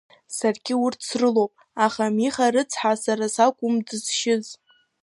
Саргьы урҭ срылоуп, аха Миха рыцҳа сара сакәым дызшьыз…